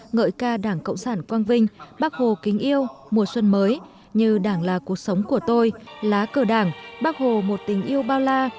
ngợi ca đảng cộng sản quang vinh bác hồ kính yêu mùa xuân mới như đảng là cuộc sống của tôi lá cờ đảng bác hồ một tình yêu bao la